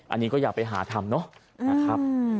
อันนี้ก็อย่าไปหาทำเนาะ